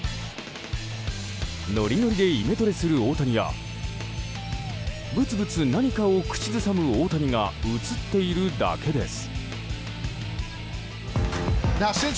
ノリノリでイメトレする大谷やぶつぶつ何かを口ずさむ大谷が映っているだけです。